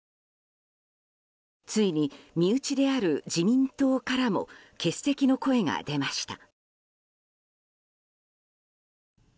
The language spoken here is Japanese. ついに身内である自民党からも欠席の声が出ました。